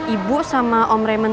ibu sama om raymond